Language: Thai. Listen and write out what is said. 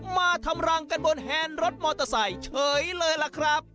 มาทำรังกันบนแฮนด์รถมอเตอร์ไซค์เฉยเลยล่ะครับ